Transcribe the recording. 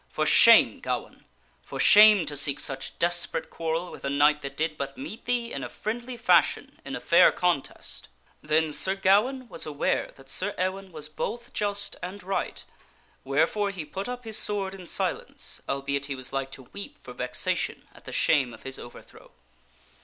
For shame, Gawaine ! For shame to seek such desperate quarrel with a knight that did but meet thee in a friendly fashion in a fair contest !" Then Sir Gawaine was aware that Sir Ewaine was both just and right; wherefore he put up his sword in silence, albeit he was like to weep for vexation at the shame of his overthrow.